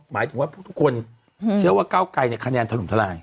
หมายถึงว่าทุกคนเชื่อว่าเก้าไกรคะแนนถล่มทลาย